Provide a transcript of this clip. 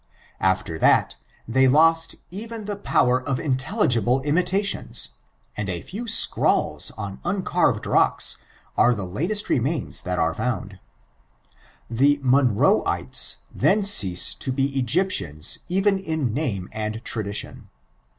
After that they loat even the power of intelligible imitationa, and a few acrmwla on nnoarved rooka are tiie lateat remaina that are foond. The Monroeitea then ceaae to be Egyptiana even in name and tradition.